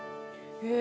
え